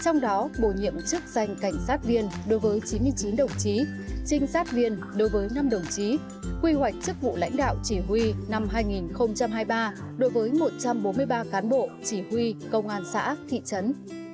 trong đó bổ nhiệm chức danh cảnh sát viên đối với chín mươi chín đồng chí trinh sát viên đối với năm đồng chí quy hoạch chức vụ lãnh đạo chỉ huy năm hai nghìn hai mươi ba đối với một trăm bốn mươi ba cán bộ chỉ huy công an xã thị trấn